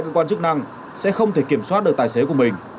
cơ quan chức năng sẽ không thể kiểm soát được tài xế của mình